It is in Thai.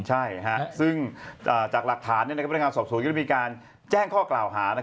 ใช่ซึ่งจากหลักฐานพนักงานสอบสวนก็ได้มีการแจ้งข้อกล่าวหา